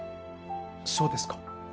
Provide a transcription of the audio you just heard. そうですか。